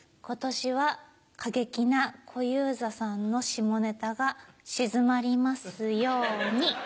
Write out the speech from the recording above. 今年は過激な小遊三さんの下ネタが静まりますように。